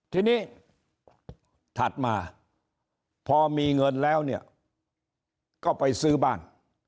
ทีนี้ถัดมาพอมีเงินแล้วเนี่ยก็ไปซื้อบ้าน